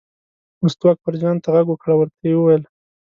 مستو اکبرجان ته غږ وکړ او ورته یې وویل.